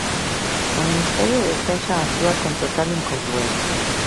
O Ministerio de Defensa actúa con total incongruencia.